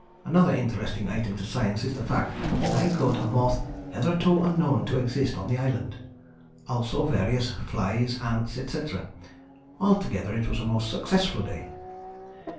Another interesting item to science is the fact that I caught a moth hitherto unknown to exist on the island, also various flies, ants, etc. Altogether it was a most successful day.